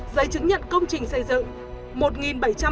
giấy chứng nhận công trình xây dựng